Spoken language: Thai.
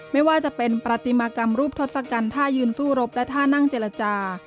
ไม่ว่าจะเป็นปฏิมากรรมรูปทศกัณฐ์ท่ายืนสู้รบและท่านั่งเจรจา